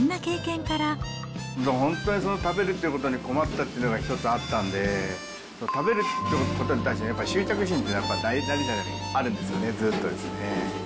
だから本当に食べるってことに困ったっていうのが一つあったんで、食べるってことに対して、執着心っていうのがあるんですよね、ずっとですね。